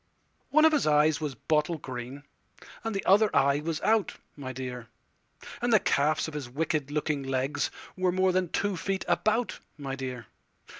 One of his eyes was bottle green, And the other eye was out, my dear; And the calves of his wicked looking legsWere more than two feet about, my dear.